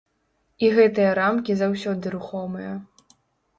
І гэтыя рамкі заўсёды рухомыя.